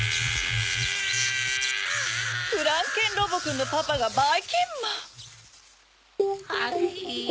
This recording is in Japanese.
フランケンロボくんのパパがばいきんまん⁉ハヒ。